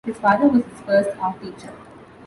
His father was his first art teacher.